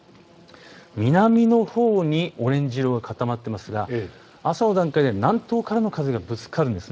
南のほうにオレンジ色が固まっていますが朝の段階では南東からの風がぶつかるんです。